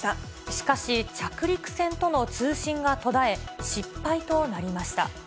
しかし着陸船との通信が途絶え、失敗となりました。